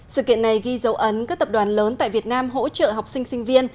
sự kiện này ghi dấu ấn các tập đoàn lớn tại việt nam hỗ trợ học sinh sinh viên